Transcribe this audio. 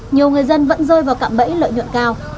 nhiều người dân vẫn rơi vào cạm bẫy lợi nhuận cao